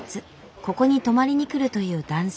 ここに泊まりにくるという男性。